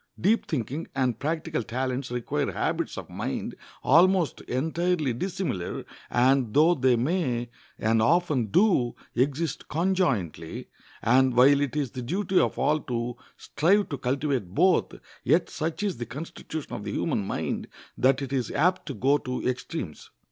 Deep thinking and practical talents require habits of mind almost entirely dissimilar, and though they may, and often do, exist conjointly, and while it is the duty of all to strive to cultivate both, yet such is the constitution of the human mind that it is apt to go to extremes.